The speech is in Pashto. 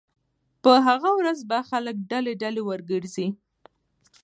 په هغه ورځ به خلک ډلې ډلې ورګرځي